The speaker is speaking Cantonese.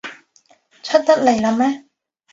出得嚟喇咩？